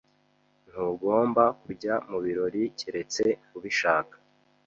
Ntugomba kujya mubirori keretse ubishaka.